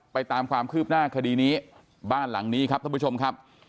ตามความคืบหน้าคดีนี้บ้านหลังนี้ครับท่านผู้ชมครับ